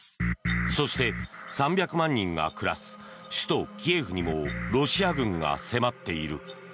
そして３００万人が暮らす首都キエフにもロシア軍が迫っている。